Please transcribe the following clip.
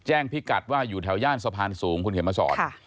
พิกัดว่าอยู่แถวย่านสะพานสูงคุณเขียนมาสอน